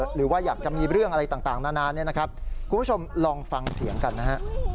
หรือว่าอยากจะมีเรื่องอะไรต่างนานาเนี่ยนะครับคุณผู้ชมลองฟังเสียงกันนะฮะ